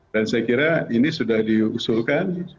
dan saya kira ini sudah diusulkan